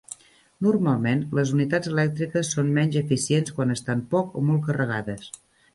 Normalment les unitats elèctriques són menys eficients quan estan poc o molt carregades.